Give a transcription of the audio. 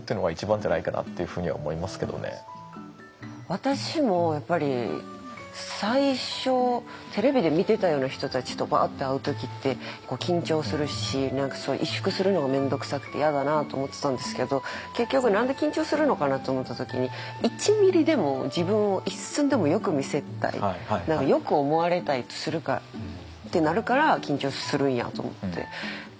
私もやっぱり最初テレビで見てたような人たちとバーッて会う時って緊張するし萎縮するのが面倒くさくて嫌だなと思ってたんですけど結局何で緊張するのかなと思った時に１ミリでも自分を１寸でもよく見せたい何かよく思われたいってなるから緊張するんやと思って。